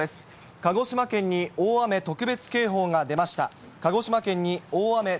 鹿児島県に大雨特別警報が出ました。